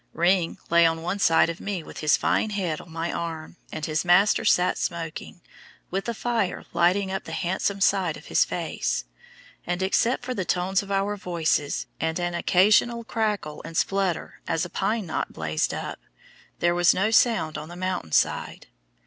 "Ring" lay on one side of me with his fine head on my arm, and his master sat smoking, with the fire lighting up the handsome side of his face, and except for the tones of our voices, and an occasional crackle and splutter as a pine knot blazed up, there was no sound on the mountain side.